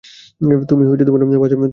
তুমি বাস অনুসরণ করো।